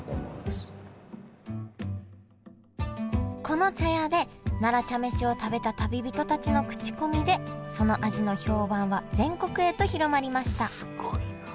この茶屋で奈良茶飯を食べた旅人たちの口コミでその味の評判は全国へと広まりましたすごいな。